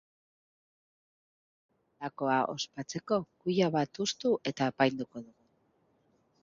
Gau Beltza delakoa ospatzeko kuia bat hustu eta apainduko dugu.